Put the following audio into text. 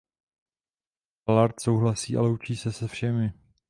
Ballard souhlasí a loučí se se všemi.